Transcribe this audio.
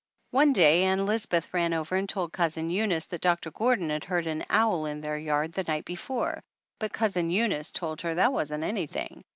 One day Ann Lisbeth ran over and told Cousin Eunice that Doctor Gordon had heard an owl in their yard the night before, but Cousin Eunice told her that wasn't anything!